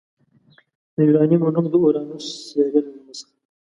د یوارنیمو نوم د اورانوس سیارې له نامه څخه